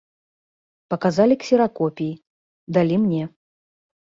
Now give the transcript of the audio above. Паказалі ксеракопіі, далі мне.